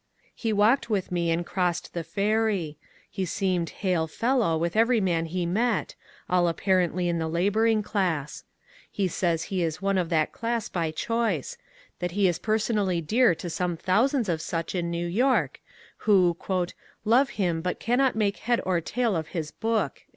He walked with me and crossed the Ferry ; he seemed ^* hail fellow " with every man he met, all apparently in the labouring class. He says he is one of that class by choice ; that he is personally dear to some thousands of such in New York, who ^^ love him but cannot make head or tail of his book."